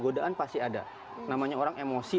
godaan pasti ada namanya orang emosi